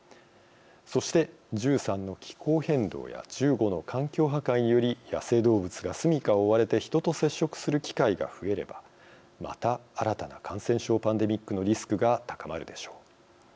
そして１３の「気候変動」や１５の「環境破壊」により野生動物が住みかを追われて人と接触する機会が増えればまた新たな感染症パンデミックのリスクが高まるでしょう。